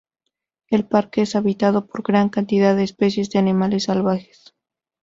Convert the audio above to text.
El parque es habitado por gran cantidad de especies de animales salvajes.